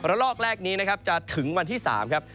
ลอกแรกนี้นะครับจะถึงวันที่๓ครับ